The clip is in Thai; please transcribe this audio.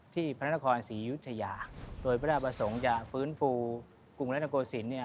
ที่พระนครศรียุชยาโดยประสงค์จะฟื้นฟูกรุงรัฐโกศิลป์เนี่ย